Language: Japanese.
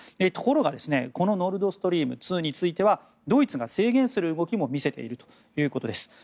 ところが、このノルドストリーム２についてはドイツが制限する動きも見せているということです。